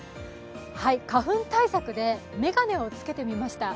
花粉対策でめがねをつけてみました。